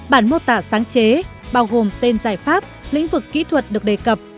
bản mô tả sáng chế bao gồm tên giải pháp lĩnh vực kỹ thuật được đề cập